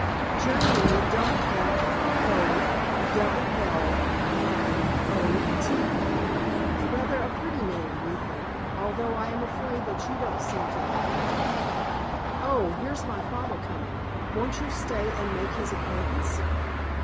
"Generally, double F, O, double L, I, O, T. Rather a pretty name, we think, although I am afraid that you don't seem to like it. Oh! here's my father coming. Won't you stay, and make his acquaintance?"